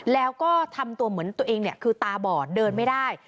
แล้วก็ทำตัวเหมือนตัวเองเนี่ยคือตาบอดเดินไม่ได้